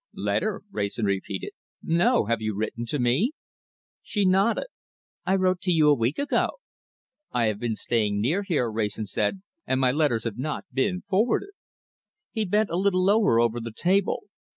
"Letter!" Wrayson repeated. "No! Have you written to me?" She nodded. "I wrote to you a week ago." "I have been staying near here," Wrayson said, "and my letters have not been forwarded." He bent a little lower over the table.